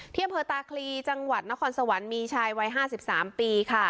เที่ยมเผอร์ตาคลีจังหวัดนครสวรรค์มีชายวัยห้าสิบสามปีค่ะ